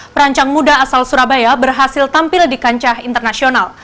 perancang muda asal surabaya berhasil tampil di kancah internasional